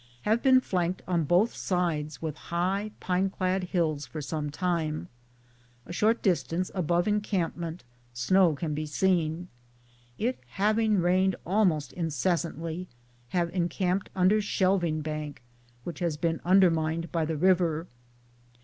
Have been flanked on both sides with high, pineclad hills for some time. A short distance above encampment snow can be seen. It having rained almost incessantly, have en camped under shelving bank which has been under mined by the river.